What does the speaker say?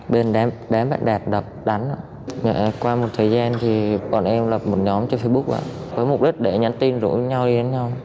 bên đám đạt đập đánh qua một thời gian thì bọn em lập một nhóm trên facebook với mục đích để nhắn tin rủ nhau đi đến nhau